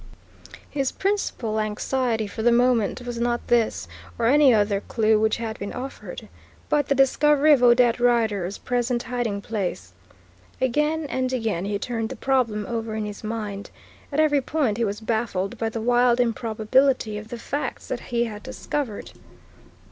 His principal anxiety for the moment was not this, or any other clue which had been offered, but the discovery of Odette Rider's present hiding place. Again and again he turned the problem over in his mind. At every point he was baffled by the wild improbability of the facts that he had discovered.